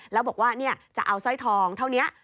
แล้วบอกว่าจะเอาสร้อยทองเท่านี้